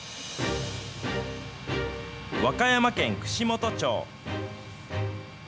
和歌山県串本町。